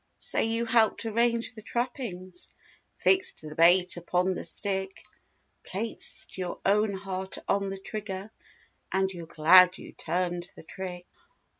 Say you helped arrange the trappings; Fixed the bait upon the stick; Placed your own heart on the trigger— And you're glad you turned the trick.